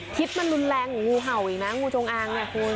ทิศมันรุนแรงกว่างูเห่าอีกนะงูจงอางเนี่ยคุณ